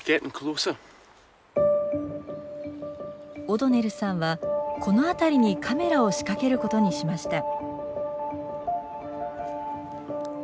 オドネルさんはこのあたりにカメラを仕掛けることにしました。